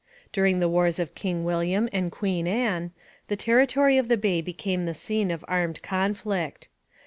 During the wars of King William and Queen Anne, the territory of the bay became the scene of armed conflict.